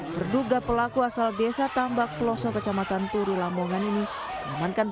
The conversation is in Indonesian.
terduga pelaku asal desa tambak pelosok kecamatan turi lamongan ini diamankan